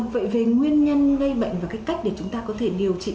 vậy về nguyên nhân gây bệnh và cái cách để chúng ta có thể điều trị